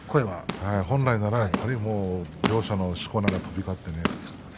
本来なら両者のしこ名が飛び交って。